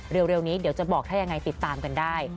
เร็วนี้เดี๋ยวจะบอกถ้ายังไงติดตามกันได้